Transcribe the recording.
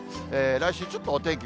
来週、ちょっとお天気